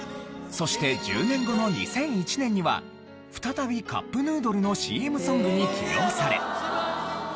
そして１０年後の２００１年には再びカップヌードルのＣＭソングに起用され。